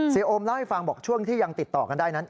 โอมเล่าให้ฟังบอกช่วงที่ยังติดต่อกันได้นั้น